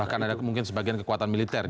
bahkan ada mungkin sebagian kekuatan militer